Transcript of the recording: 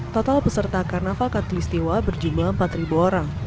total peserta karnaval katulistiwa berjumlah empat orang